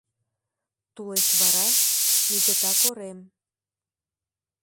Тулеч вара — Мигыта корем.